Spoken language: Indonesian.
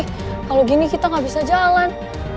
kalau gini kita nggak bisa jalan